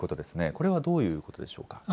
これはどういうことでしょうか。